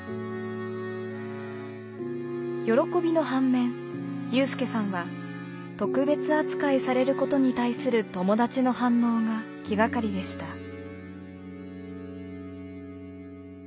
喜びの反面有さんは特別扱いされることに対する友達の反応が気がかりでした。